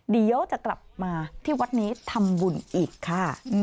เดี๋ยวจะกลับมาที่วัดนี้ทำบุญอีกค่ะ